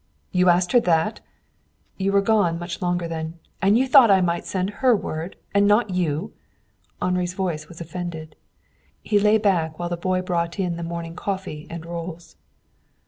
"You asked her that?" "You were gone much longer than " "And you thought I might send her word, and not you!" Henri's voice was offended. He lay back while the boy brought in the morning coffee and rolls.